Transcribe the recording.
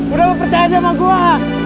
udah lo percaya aja sama gua